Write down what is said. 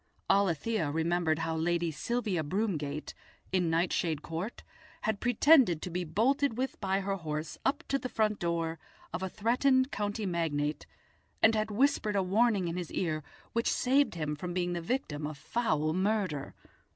Alethia remembered how Lady Sylvia Broomgate, in Nightshade Court, had pretended to be bolted with by her horse up to the front door of a threatened county magnate, and had whispered a warning in his ear which saved him from being the victim of foul murder.